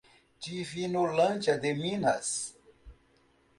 Divinolândia de Minas